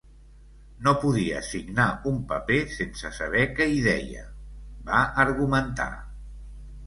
No podia signar un paper sense saber què hi deia, va argumentar.